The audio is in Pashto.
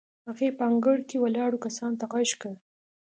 هغې په انګړ کې ولاړو کسانو ته غږ کړ.